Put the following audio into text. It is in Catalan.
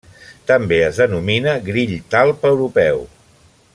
També es denomina grill talp europeu.